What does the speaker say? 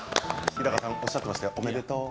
日高さんおっしゃってましたよおめでとう。